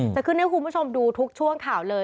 จะขึ้นให้คุณผู้ชมดูทุกช่วงข่าวเลย